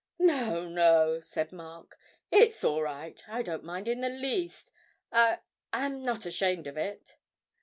'No, no,' said Mark, 'it's all right; I didn't mind in the least. I I'm not ashamed of it!'